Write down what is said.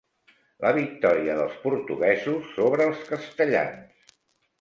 La victòria dels portuguesos sobre els castellans.